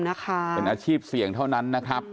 เป็นอาชีพเสี่ยงเท่านั้น